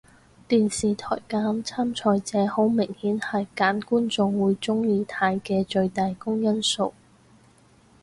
電視台揀參賽者好明顯係揀觀眾會鍾意睇嘅最大公因數